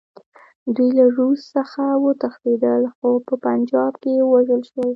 دوی له روس څخه وتښتېدل، خو په پنجاب کې ووژل شول.